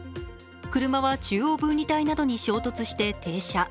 車は中央分離帯などに衝突して停車。